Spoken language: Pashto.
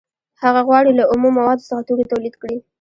هغه غواړي له اومو موادو څخه توکي تولید کړي